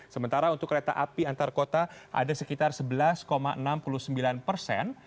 sementara untuk kereta api antar kota ada sekitar sebelas enam puluh sembilan persen